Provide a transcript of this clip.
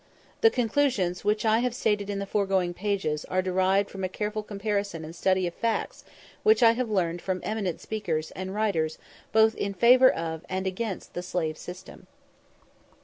The conclusions which I have stated in the foregoing pages are derived from a careful comparison and study of facts which I have learned from eminent speakers and writers both in favour of and against the slave system.